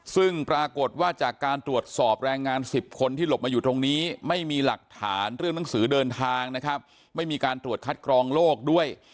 ซึ่งปรากฏว่าจากการตรวจสอบแรงงาน๑๐คนที่หลบมาอยู่ตรงนี้ไม่มีหลักฐานเรื่องหนังสือเดินทางนะครับไม่มีการตรวจคัดกรองโลกด้วย